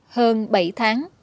hơn bảy tháng